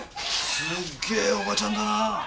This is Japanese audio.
すげえおばちゃんだな。